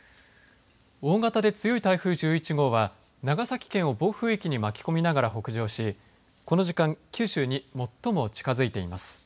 大型で強い台風１１号は長崎県を暴風域に巻き込みながら北上しこの時間、九州に最も近づいています。